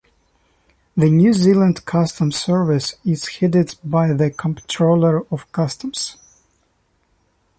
The New Zealand Customs Service is headed by the Comptroller of Customs.